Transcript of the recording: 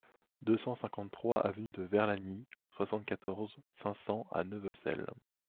deux cent cinquante-trois avenue de Verlagny, soixante-quatorze, cinq cents à Neuvecelle